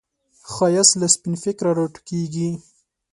ښایست له سپین فکره راټوکېږي